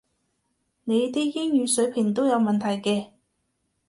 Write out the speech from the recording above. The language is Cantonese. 你啲英語水平都有問題嘅